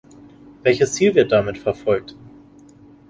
Welches Ziel wird damit verfolgt?